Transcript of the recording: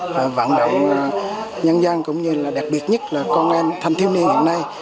và vận động nhân dân cũng như là đặc biệt nhất là con em thanh thiếu niên hiện nay